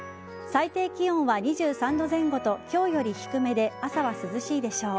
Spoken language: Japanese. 最低気温は２３度前後と今日より低めで朝は涼しいでしょう。